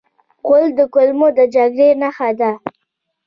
غول د کولمو د جګړې نښه ده.